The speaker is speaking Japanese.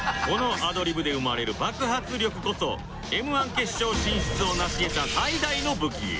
このアドリブで生まれる爆発力こそ Ｍ−１ 決勝進出をなし得た最大の武器